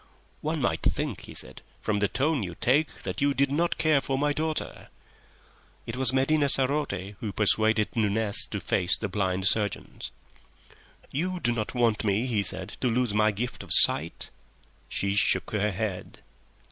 "One might think," he said, "from the tone you take that you did not care for my daughter." It was Medina sarote who persuaded Nunez to face the blind surgeons. "You do not want me," he said, "to lose my gift of sight?" She shook her head.